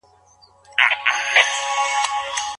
هغه په نوي کور او خونه کي يوازې ناسته ده.